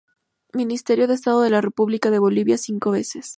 Ministro de Estado de la República de Bolivia cinco veces.